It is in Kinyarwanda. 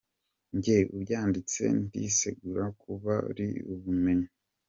Jye Ubyanditse, ndisegura ku bari bubimenye,